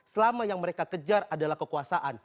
selama yang mereka kejar adalah kekuasaan